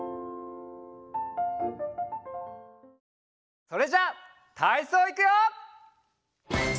それじゃたいそういくよ！